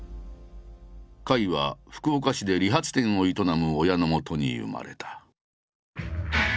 甲斐は福岡市で理髪店を営む親のもとに生まれた。